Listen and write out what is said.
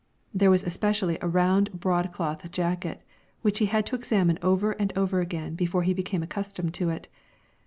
There was especially a round broadcloth jacket, which he had to examine over and over again before he became accustomed to it.